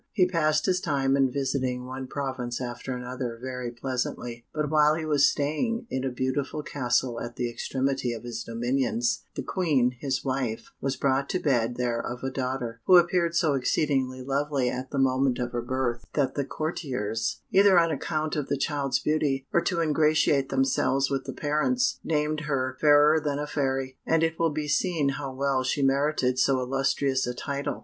He passed his time in visiting one province after another very pleasantly; but while he was staying in a beautiful castle at the extremity of his dominions, the Queen, his wife, was brought to bed there of a daughter, who appeared so exceedingly lovely at the moment of her birth, that the courtiers, either on account of the child's beauty, or to ingratiate themselves with the parents, named her "Fairer than a Fairy;" and it will be seen how well she merited so illustrious a title.